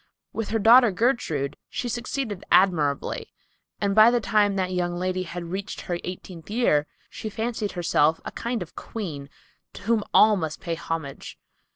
With her daughter Gertrude, she succeeded admirably, and by the time that young lady had reached her eighteenth year, she fancied herself a kind of queen to whom all must pay homage.